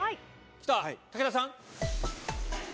きた武田さん。